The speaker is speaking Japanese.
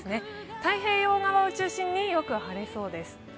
太平洋側を中心によく晴れそうです。